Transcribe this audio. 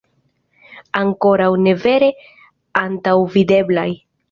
Ankoraŭ ne vere antaŭvideblaj...